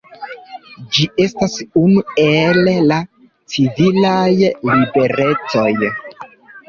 Ĝi estas unu el la civilaj liberecoj.